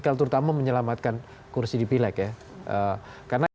koalisi di bilek ya